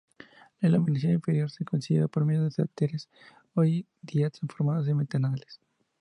La iluminación interior se conseguía por medio de saeteras, hoy día transformadas en ventanales.